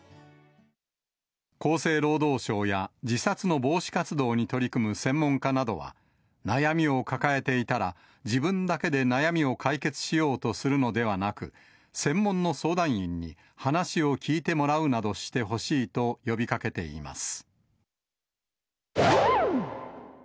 厚生労働省や自殺の防止活動に取り組む専門家などは、悩みを抱えていたら、自分だけで悩みを解決しようとするのではなく、専門の相談員に話を聞いてもらうなどしてほしいと呼びかけています。